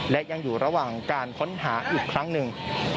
และยังอยู่ระหว่างการค้นหาอีกครั้งหนึ่ง